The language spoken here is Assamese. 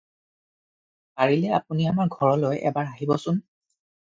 পাৰিলে আপুনি আমাৰ ঘৰলৈ এবাৰ আহিবচোন!